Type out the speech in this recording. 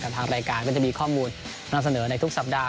ก็จะมีข้อมูลนำเสนอในทุกสัปดาห์